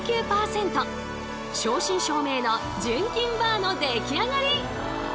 正真正銘の純金バーの出来上がり！